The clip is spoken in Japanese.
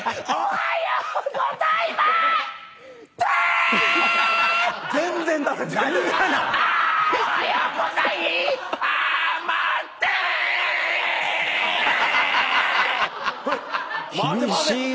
はい。